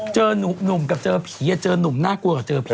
หนุ่มกับเจอผีเจอนุ่มน่ากลัวกว่าเจอผี